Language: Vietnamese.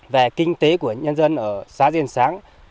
về kinh tế của nhân dân ở xã diên sáng